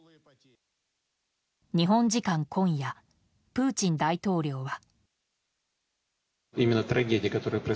日本時間今夜プーチン大統領は。